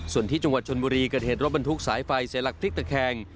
ส่วนที่จังหวัดชนบุรีเกิดเหตุรถบรรทุกสายไฟเสียหลักพลิกตะแคง